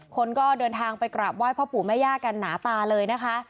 คนก็เดินทางไปกราบไหว้พ่อปู่แม่ย่ากันหนาตาเลยนะคะ